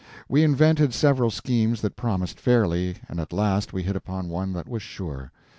We invented several schemes that promised fairly, and at last we hit upon one that was sure.